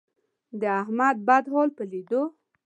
د احمد بد حال په لیدو،